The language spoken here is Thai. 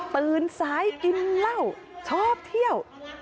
ซ้ายกินเหล้าชอบเที่ยว